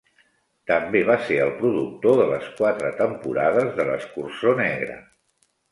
També va ser el productor de les quatre temporades de "L'escurçó negre".